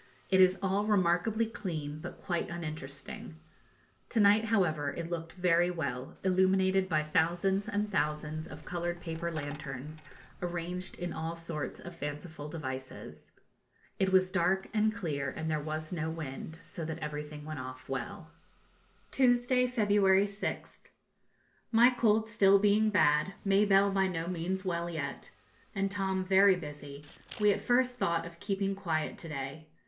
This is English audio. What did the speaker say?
It is all remarkably clean, but quite uninteresting. To night, however, it looked very well, illuminated by thousands and thousands of coloured paper lanterns, arranged in all sorts of fanciful devices. It was dark and clear, and there was no wind, so that everything went off well. [Illustration: a family group] Tuesday, February 6th. My cold being still bad, Mabelle by no means well yet, and Tom very busy, we at first thought of keeping quiet to day.